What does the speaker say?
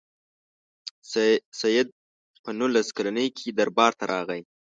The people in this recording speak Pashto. سید په نولس کلني کې دربار ته راغی.